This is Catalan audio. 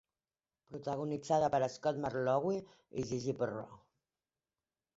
Protagonitzada per Scott Marlowe i Gigi Perreau.